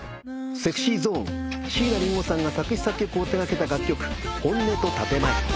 ＳｅｘｙＺｏｎｅ椎名林檎さんが作詞作曲を手掛けた楽曲『本音と建前』